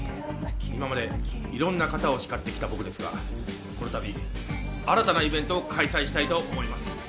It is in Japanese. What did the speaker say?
今までいろんな方を叱ってきた僕ですがこの度新たなイベントを開催したいと思います。